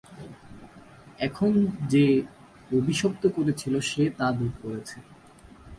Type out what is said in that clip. এখন যে অভিশপ্ত করেছিলো সে তা দূর করেছে।